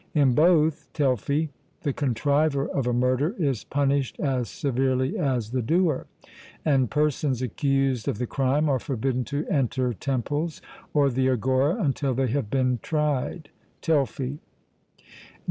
In both (Telfy) the contriver of a murder is punished as severely as the doer; and persons accused of the crime are forbidden to enter temples or the agora until they have been tried (Telfy).